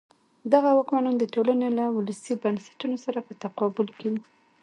دغه واکمنان د ټولنې له ولسي بنسټونو سره په تقابل کې وو.